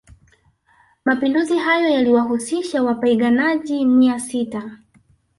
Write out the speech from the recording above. Mapinduzi hayo yaliwahusisha wapaiganaji mia sita